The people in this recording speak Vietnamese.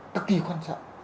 tất kỳ quan trọng